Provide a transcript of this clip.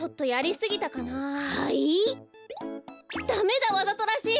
ダメだわざとらしい！